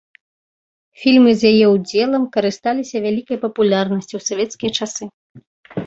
Фільмы з яе ўдзелам карысталіся вялікай папулярнасцю ў савецкія часы.